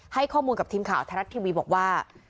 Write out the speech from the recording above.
ให้ข้อมูลกับทีมข่าวไทยรัฐทีวีบอกว่า